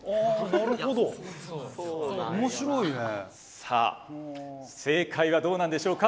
さあ正解はどうなんでしょうか。